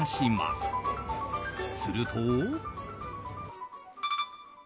すると。